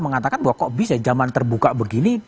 mengatakan bahwa kok bisa zaman terbuka begini